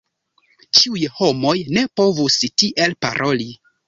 Ĉiuj homoj ne povus tiel paroli.